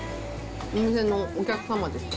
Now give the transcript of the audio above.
お店のお客様でした。